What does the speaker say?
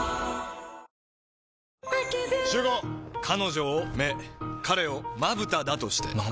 彼女を目彼をまぶただとして。